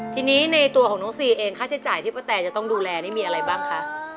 ทีนี้ในตัวของน้องซีเองค่าใช้จ่ายที่ป้าแตจะต้องดูแลนี่มีอะไรบ้างคะ